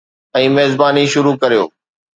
۽ ميزباني شروع ڪريو.